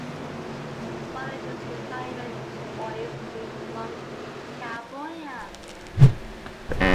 Following his retirement, Boies moved to Long Beach, California.